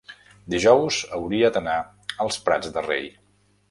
dijous hauria d'anar als Prats de Rei.